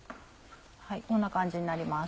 こんな感じになります。